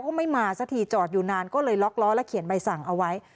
ก็ไม่มาสักทีจอดอยู่นานก็เลยล็อกล้อและเขียนใบสั่งเอาไว้